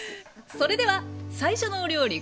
それでは最初のお料理